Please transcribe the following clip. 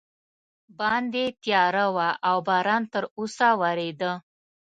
باندې تیاره وه او باران تراوسه ورېده.